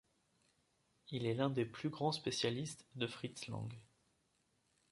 Il est l'un des plus grands spécialistes de Fritz Lang.